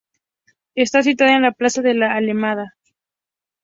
Está situado en la Plaza de La Alameda.